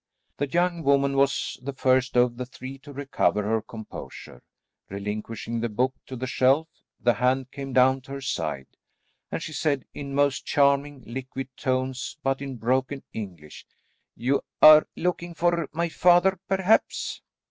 The young woman was the first of the three to recover her composure. Relinquishing the book to the shelf, the hand came down to her side, and she said in most charming, liquid tones, but in broken English, "You are looking for my father perhaps?"